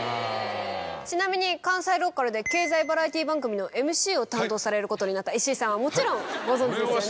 ちなみに関西ローカルで経済バラエティー番組のＭＣを担当されることになった石井さんはもちろんご存じですよね？